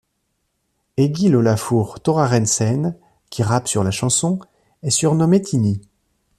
Egill Olafur Thorarensen, qui rappe sur la chanson, est surnommé Tiny.